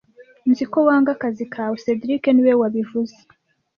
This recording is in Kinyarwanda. Nzi ko wanga akazi kawe cedric niwe wabivuze